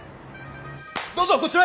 どうぞこちらへ！